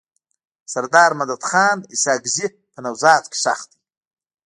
سردار مددخان اسحق زی په نوزاد کي ښخ دی.